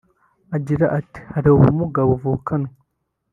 Agira ati “Hari ubumuga buvukanwa